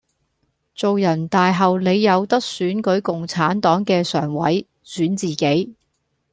做人大後你有得選舉共產黨既常委，選自己